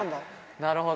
なるほど。